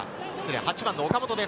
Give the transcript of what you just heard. ８番の岡本です。